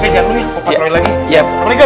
saya janjiin pakpatrolin lagi